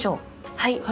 はい。